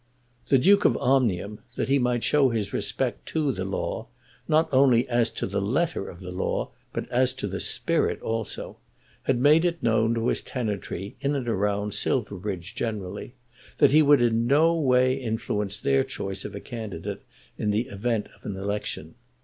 The Duke of Omnium, that he might show his respect to the law, not only as to the letter of the law, but as to the spirit also, had made it known to his tenantry in and round Silverbridge generally that he would in no way influence their choice of a candidate in the event of an election.